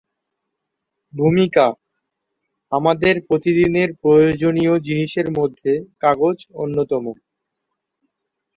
ভূমিকা: আমাদের প্রতিদিনের প্রয়োজনীয় জিনিসের মধ্যে কাগজ অন্যতম।